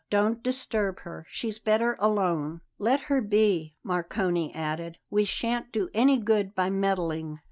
"Don't disturb her; she's better alone." "Let her be!" Marcone added. "We shan't do any good by meddling.